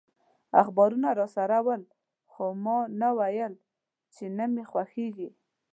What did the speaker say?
اخبارونه راسره ول، خو ما نه ویل چي نه مي خوښیږي.